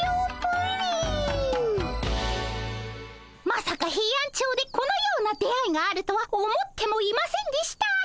まさかヘイアンチョウでこのような出会いがあるとは思ってもいませんでした。